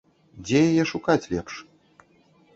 Дзе яе шукаць лепш?